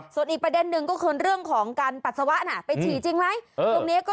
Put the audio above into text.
ส่วนอีกประเด็นหนึ่งก็คือเรื่องของการปัสสาวะน่ะไปฉี่จริงไหม